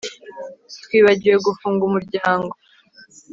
Twibagiwe gufunga umuryango